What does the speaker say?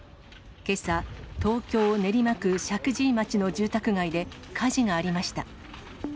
けさ、東京・練馬区石神井町の住宅街で火事がありました。